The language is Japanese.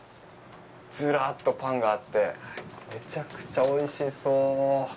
ずらっとパンがあって、めちゃくちゃおいしそう。